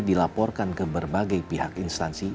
dilaporkan ke berbagai pihak instansi